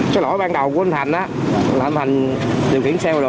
cái lỗi ban đầu của anh thành á là anh thành điều khiển xe và đồ